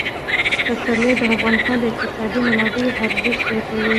پسرلی د افغانستان د اقتصادي منابعو ارزښت زیاتوي.